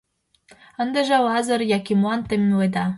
Ындыже Лазыр Якимлан темледа.